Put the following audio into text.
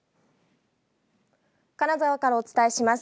金沢からお伝えします。